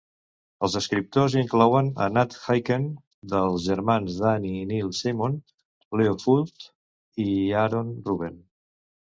Els escriptors inclouen a Nat Hiken, els germans Danny i Neil Simon, Leo Fuld i Aaron Ruben.